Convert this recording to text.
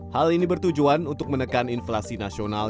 hal ini bertujuan untuk menekan inflasi nasional